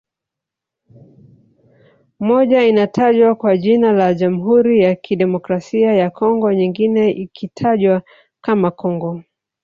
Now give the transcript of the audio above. Moja inatajwa kwa jina la Jamhuri ya Kidemokrasia ya Congo nyingine ikitajwa kama Congo